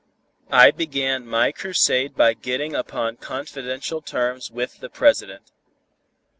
I began my crusade by getting upon confidential terms with the President.